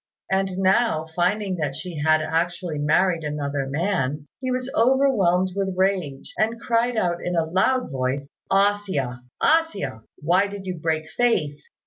And now, finding that she had actually married another man, he was overwhelmed with rage, and cried out in a loud voice, "A hsia! A hsia! why did you break faith?"